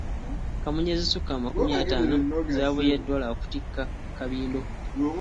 Kamunye ezisukka amakumi ataano zaaboyeddwa lwa kutikka kabindo.